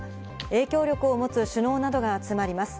影響力を持つ首脳などが集まります。